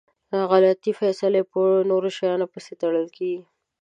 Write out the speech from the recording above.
غلطي فیصلی په نورو شیانو پسي تړل کیږي.